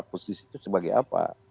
posisi itu sebagai apa